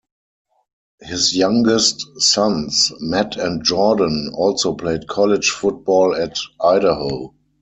His youngest sons, Matt and Jordan, also played college football at Idaho.